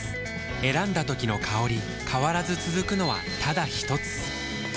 選んだ時の香り変わらず続くのはただひとつ？